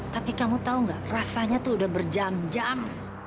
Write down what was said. tapi kamu tahu nggak rasanya tuh udah berjam jam